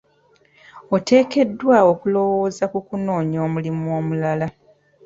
Oteekeddwa okulowooza ku kunoonya omulimu omulala.